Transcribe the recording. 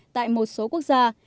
tại một số quốc gia